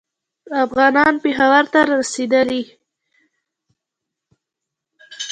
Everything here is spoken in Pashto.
افغانان پېښور ته رسېدلي.